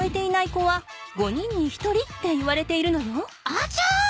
あちゃ！